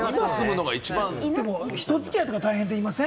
人付き合いとか大変って言いません？